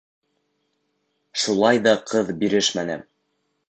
Шулай ҙа ҡыҙ бирешмәне.